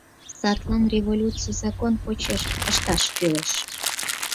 Садлан революций закон почеш ышташ кӱлеш.